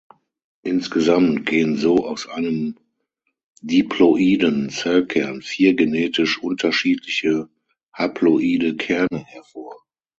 Insgesamt gehen so aus einem diploiden Zellkern vier genetisch unterschiedliche haploide Kerne hervor.